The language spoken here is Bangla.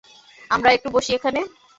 আমরা একটু বসি এখানে।